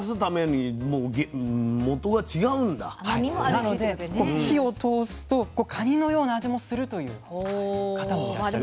なので火を通すとカニのような味もするという方もいらっしゃるんです。